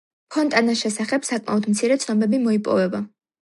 ფონტანას შესახებ საკმაოდ მცირე ცნობები მოიპოვება.